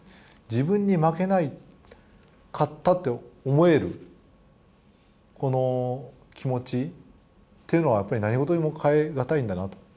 自分に負けない、勝ったと思えるこの気持ちっていうのはやっぱり何事にも代えがたいんだなと。